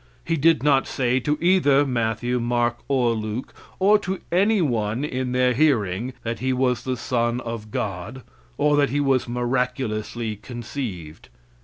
He did not say to either Matthew, Mark or Luke, or to any one in their hearing, that He was the son of God, or that He was miraculously conceived.